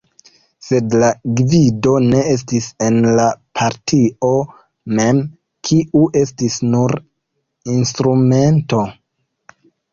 Sed la gvido ne estis en la partio mem, kiu estis nur instrumento.